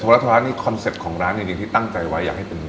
รัฐบาลนี่คอนเซ็ปต์ของร้านจริงที่ตั้งใจไว้อยากให้เป็นยังไง